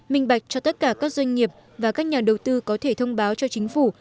minh bạch cho tất cả các doanh nghiệp và các nhà đầu tư có thể thông báo cho chính phủ